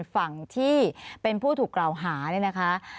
ฝั่งที่เป็นผู้ถูกกล่าวหาเนี่ยนะคะ